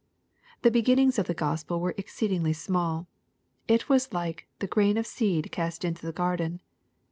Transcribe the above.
The beginnings of the Gospel were exceedingly small. It was like " the grain of seed cast into the garden."